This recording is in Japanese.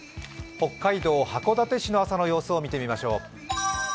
北海道函館市の朝の様子を見てみましょう。